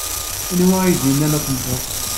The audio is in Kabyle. Anwa ay d-yennan ad temmteḍ?